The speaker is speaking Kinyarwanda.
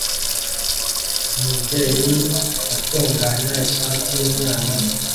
Umubyeyi atunganya ishati yumwana we